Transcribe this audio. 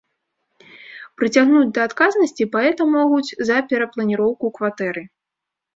Прыцягнуць да адказнасці паэта могуць за перапланіроўку кватэры.